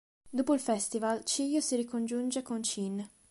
Dopo il Festival, Chiyo si ricongiunge con Chin.